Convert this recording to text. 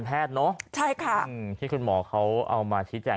ตอนนี้เป็นผลทางการแพทย์เนอะ